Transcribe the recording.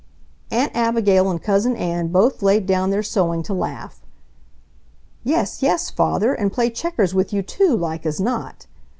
Aunt Abigail and Cousin Ann both laid down their sewing to laugh! "Yes, yes, Father, and play checkers with you too, like as not!"